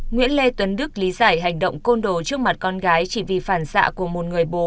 nguyễn lê tuấn đức lý giải hành động côn đồ trước mặt con gái chỉ vì phản xạ của một người bố